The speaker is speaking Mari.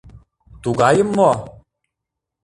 Тугайым мо?